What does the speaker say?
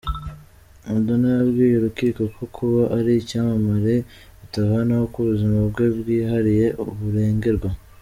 Madonna yabwiye urukiko ko kuba ari icyamamare bitavanaho ko ubuzima bwe bwihariye burengerwa.